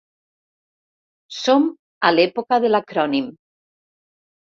Som a l'època de l'acrònim.